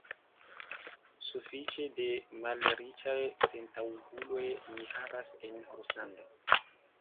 Sufiĉe da malriĉaj sentaŭguloj ni havas en Ruslando.